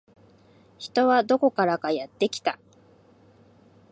人はどこからかやってきた